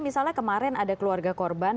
misalnya kemarin ada keluarga korban